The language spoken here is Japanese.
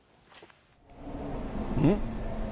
うん？